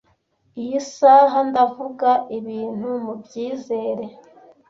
Iyi saha ndavuga ibintu mubyizere,